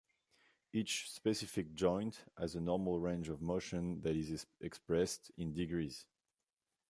Each specific joint has a normal range of motion that is expressed in degrees.